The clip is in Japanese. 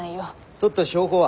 とった証拠は？